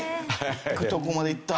いくとこまでいった。